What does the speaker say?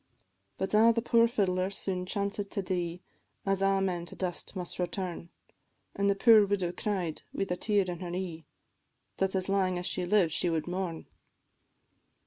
But ah! the poor fiddler soon chancéd to die, As a' men to dust must return; An' the poor widow cried, wi' the tear in her e'e, That as lang as she lived she wad mourn.